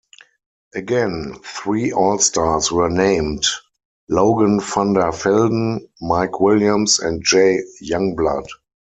Again, three all-stars were named, Logan Vander Velden, Mike Williams, and Jay Youngblood.